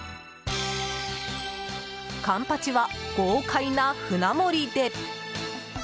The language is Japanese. カンパチは、豪快な舟盛りで。